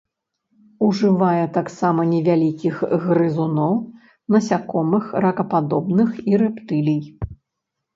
Ужывае таксама невялікіх грызуноў, насякомых, ракападобных і рэптылій.